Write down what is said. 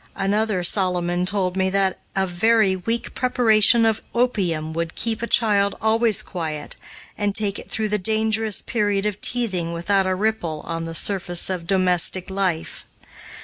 Another Solomon told me that a very weak preparation of opium would keep a child always quiet and take it through the dangerous period of teething without a ripple on the surface of domestic life.